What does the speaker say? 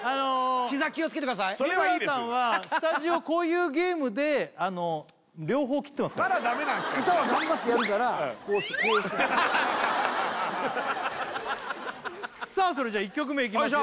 膝気をつけてください三村さんはスタジオこういうゲームであの両方切ってますからまだダメなんすか歌は頑張ってやるからこうしてこうしてさあそれじゃ１曲目いきますよ